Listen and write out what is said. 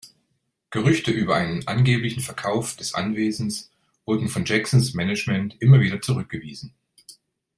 Gerüchte über einen angeblichen Verkauf des Anwesens wurden von Jacksons Management immer wieder zurückgewiesen.